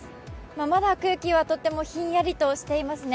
まだ空気はとってもひんやりとしていますね。